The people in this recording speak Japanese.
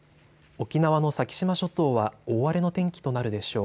沖縄の先島諸島は大荒れの天気となるでしょう。